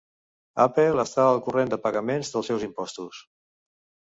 Apple està al corrent de pagament dels seus impostos